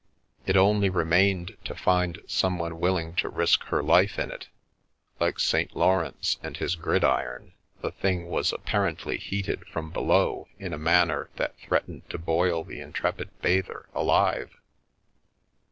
It only remained to find someone willing to risk her life in it — like St. Lawrence and his gridiron, the thing was ap parently heated from below in a manner that threatened to boil the intrepid bather alive.